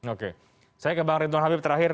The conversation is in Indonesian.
oke saya ke bang ridwan habib terakhir